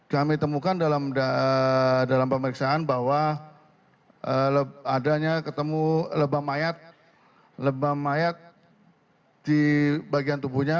kami temukan dalam pemeriksaan bahwa adanya ketemu lebam lebam mayat di bagian tubuhnya